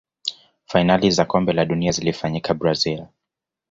fainali za kombe la dunia zilifanyikia brazil